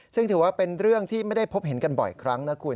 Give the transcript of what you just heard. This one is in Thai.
ซึ่งถือว่าเป็นเรื่องที่ไม่ได้พบเห็นกันบ่อยครั้งนะคุณ